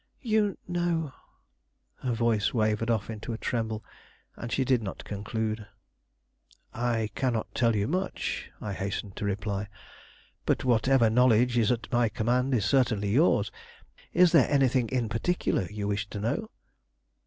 You know, " her voice wavered off into a tremble, and she did not conclude. "I cannot tell you much," I hastened to reply; "but whatever knowledge is at my command is certainly yours. Is there anything in particular you wish to know?"